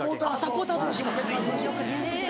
よくニュースで。